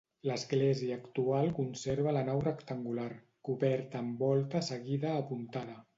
L'església actual conserva la nau rectangular, coberta amb volta seguida apuntada.